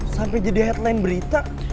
sampai jadi headline berita